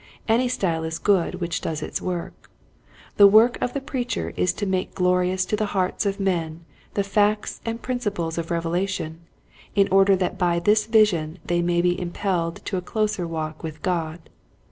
Any style is good which does its work. The work of the preacher is to make glorious to the hearts of men the facts and princi ples of revelation in order that by this vision they may be impelled to a closer walk with God.